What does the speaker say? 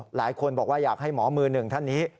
หลายคนบอกว่าอยากให้หมอมือหนึ่งท่านนี้